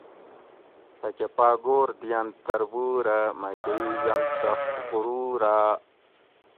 تھکہ پاۤگور دیئنت تربورہ مکۤہ ای ینت سختہ غرورا